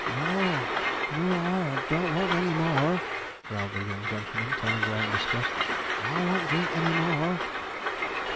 'N o a, n o ar, don't want any more,' growled the young gentleman, turning away in disgust. 'Ar won't drink any more.'